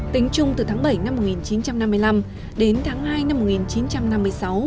tính chung từ tháng bảy năm một nghìn chín trăm năm mươi năm đến tháng hai năm một nghìn chín trăm năm mươi sáu